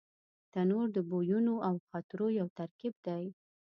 تنور د بویونو او خاطرو یو ترکیب دی